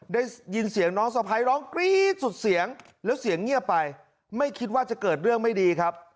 ได้ยินเสียงน้องสะพ้ายร้องกรี๊ดสุดเสียงแล้วเสียงเงียบไปไม่คิดว่าจะเกิดเรื่องไม่ดีครับ